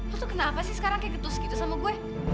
terus tuh kenapa sih sekarang kayak getus gitu sama gue